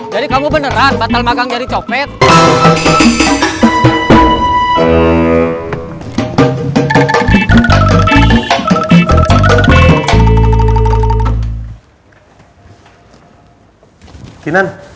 jadi kamu beneran batal magang jadi copet